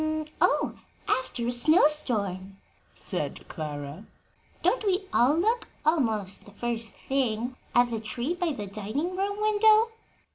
"After a snow storm," said Clara. "Don't we all look, almost the first thing, at the tree by the dining room window?"